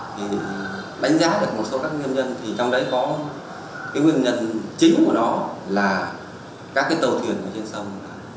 thì đánh giá được một số các nguyên nhân thì trong đấy có cái nguyên nhân chính của nó là các cái tàu thuyền ở trên sông